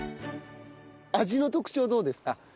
味の特徴どうですか？